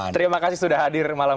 terima kasih sudah hadir